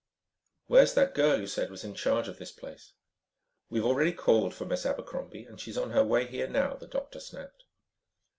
"Where's that girl you said was in charge of this place?" "We've already called for Miss Abercrombie and she's on her way here now," the doctor snapped.